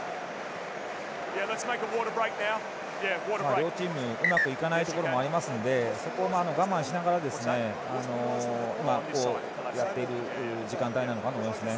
両チームうまくいかないところもありますのでそこは我慢しながらやっている時間帯なのかなと思いますね。